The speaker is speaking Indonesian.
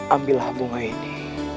ambilah bunga ini